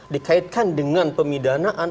dikaitkan dengan pemidanaan